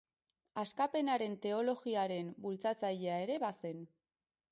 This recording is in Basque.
Askapenaren teologiaren bultzatzailea ere bazen.